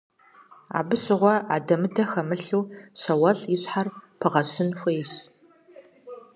Абы щыгъуэ адэ-мыдэ хэмылъу Щэуал и щхьэр пыгъэщын хуейщ.